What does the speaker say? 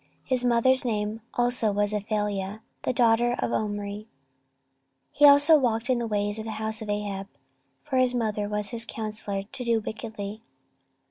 His mother's name also was Athaliah the daughter of Omri. 14:022:003 He also walked in the ways of the house of Ahab: for his mother was his counsellor to do wickedly.